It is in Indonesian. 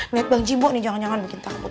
liat bang jimbo nih jangan jangan bikin takut